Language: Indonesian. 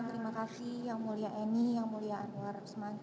terima kasih yang mulia eni yang mulia anwar usman